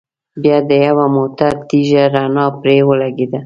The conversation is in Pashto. بيا د يوه موټر تېزه رڼا پرې ولګېده.